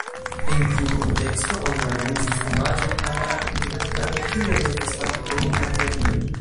En tiu kunteksto oni organizis omaĝon al la argentina flago, kie devis partopreni aviadiloj.